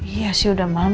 iya sih udah malam